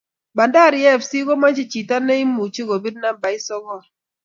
Bnadari fc komache chito neimuche kopir nambai sokol